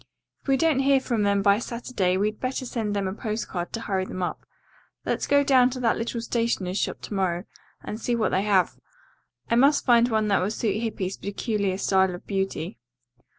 "If we don't hear from them by Saturday we'd better send them a postcard to hurry them up. Let's go down to that little stationer's shop to morrow and see what they have. I must find one that will suit Hippy's peculiar style of beauty."